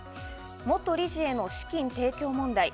元理事への資金提供問題。